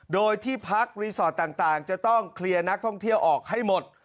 โดยที่พักรีสอร์ทต่างจะต้องเคลียร์นักท่องเที่ยวออกให้หมด